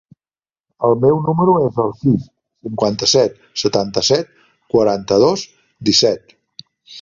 El meu número es el sis, cinquanta-set, setanta-set, quaranta-dos, disset.